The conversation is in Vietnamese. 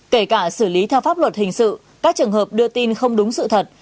kể cả xử lý theo pháp luật hình sự các trường hợp đưa tin không đúng sự thật